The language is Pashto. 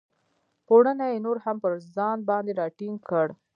پوړنی یې نور هم پر ځان باندې را ټینګ کړ.